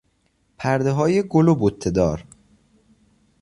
پردههای گل و بتهدار